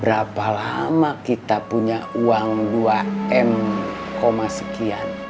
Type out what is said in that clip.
berapa lama kita punya uang dua m sekian